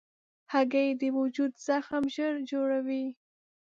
هګۍ د وجود زخم ژر جوړوي.